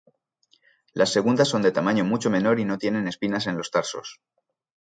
Las segundas son de tamaño mucho menor y no tienen espinas en los tarsos.